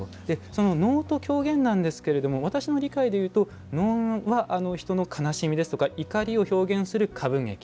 その能と狂言なんですが私の理解でいうと能は人の悲しみですとか怒りを表現する歌舞劇。